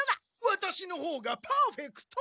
ワタシのほうがパーフェクト！